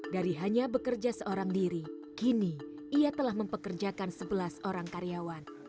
dari hanya bekerja seorang diri kini ia telah mempekerjakan sebelas orang karyawan